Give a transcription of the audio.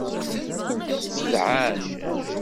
Dɛan.